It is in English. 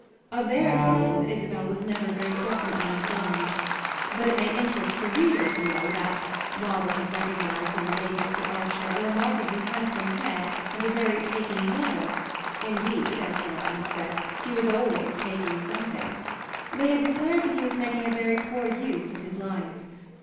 Of their opinions Isabel was never very definitely informed; but it may interest the reader to know that, while they had recognised in the late Mr. Archer a remarkably handsome head and a very taking manner (indeed, as one of them had said, he was always taking something), they had declared that he was making a very poor use of his life.